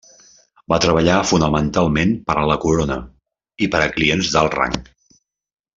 Va treballar fonamentalment per a la Corona i per a clients d'alt rang.